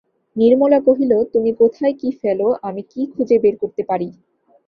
নির্মলা কহিল, তুমি কোথায় কী ফেল আমি কি খুঁজে বের করতে পারি?